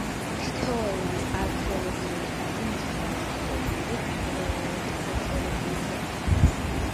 თითოეული არქეოლოგიური განძი მნიშვნელოვანი ისტორიული ღირებულების არქეოლოგიური ძეგლია.